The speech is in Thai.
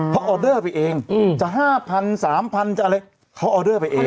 เพราะออเดอร์ไปเองจะ๕๐๐๓๐๐จะอะไรเขาออเดอร์ไปเอง